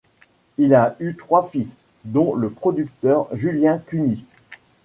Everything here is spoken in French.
Il a eu trois fils, dont le producteur Julien Cuny.